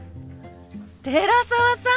寺澤さん！